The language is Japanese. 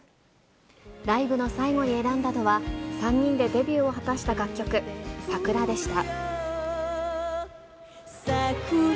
ライブの最後に選んだのは、３人でデビューを果たした楽曲、ＳＡＫＵＲＡでした。